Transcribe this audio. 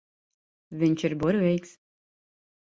Viņš ir burvīgs.